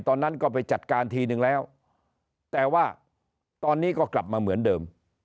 ตอนนั้นก็ไปจัดการทีนึงแล้วแต่ว่าตอนนี้ก็กลับมาเหมือนเดิม